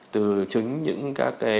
từ chính những cái công việc